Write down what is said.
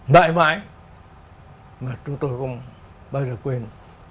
đại mãi mà chúng tôi không bao giờ quên